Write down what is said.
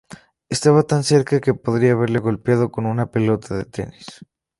Estaba tan cerca, que podría haberle golpeado con una pelota de tenis.